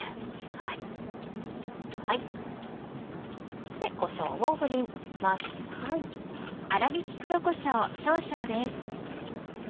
そしてこしょうを振ります。